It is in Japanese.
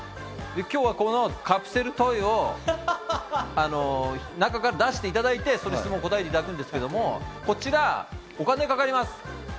今日はこのカプセルトイを中から出していただいて、質問に答えていただくんですけど、こちらお金がかかります。